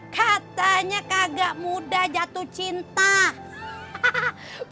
katanya kagak mudah jatuh cinta